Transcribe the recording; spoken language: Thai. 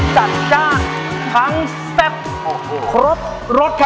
จัดจากทั้งแสปครบรถค่ะ